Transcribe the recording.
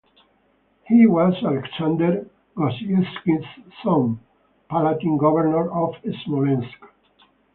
He was Aleksander Gosiewski'son, Palatine-Governor of Smolensk.